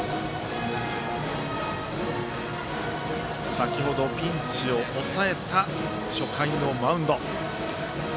先ほどピンチを抑えた初回のマウンド。